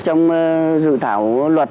trong dự thảo luật